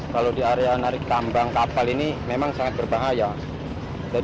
kalau di area narik tambang kapal ini memang sangat berbahaya